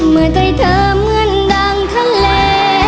เมื่อใจเธอเหมือนดังทั้งเล